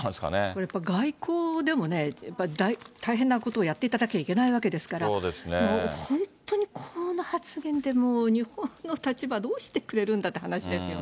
これ外交でもね、やっぱり大変なことをやっていかなきゃいけないわけですから、もう本当に、この発言で、もう日本の立場、どうしてくれるんだっていう話です